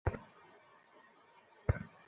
বড় বন্দুক দেখে যদি ভয় পাও তার জন্য দুঃখিত।